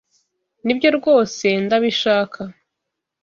Nibyo rwose ndabishaka.